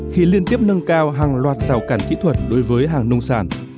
khi liên tiếp nâng cao hàng loạt rào cản kỹ thuật đối với hàng nông sản